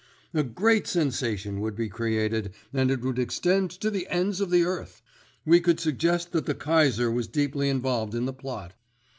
"A great sensation would be created, and it would extend to the ends of the earth. We could suggest that the Kaiser was deeply involved in the plot.